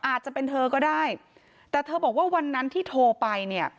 อาจจะเป็นเธอก็ได้แต่เธอบอกว่าวันนั้นที่โทรไปเนี่ย